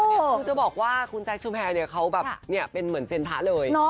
กูจะบอกว่าคุณแจ๊คชุแพยเนี่ยเขาเหมือนเซ็นพระเลย